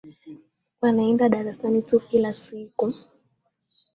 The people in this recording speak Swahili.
Waenda darasani tu kila siku